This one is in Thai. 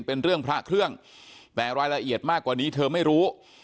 เป็นเรื่องพระเครื่องแต่รายละเอียดมากกว่านี้เธอไม่รู้